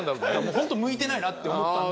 ほんと向いてないなって思ったんで。